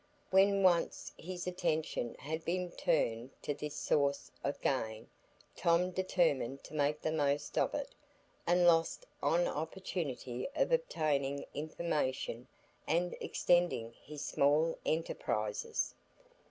When once his attention had been turned to this source of gain, Tom determined to make the most of it, and lost no opportunity of obtaining information and extending his small enterprises.